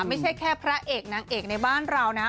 ไม่ใช่แค่พระเอกนางเอกในบ้านเรานะ